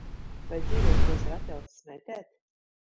Vai dzīvokļos ir atļauts smēķēt?